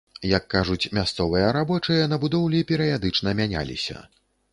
Як кажуць мясцовыя, рабочыя на будоўлі перыядычна мяняліся.